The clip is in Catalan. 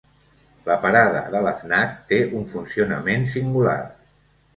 La parada de l'FNAC té un funcionament singular.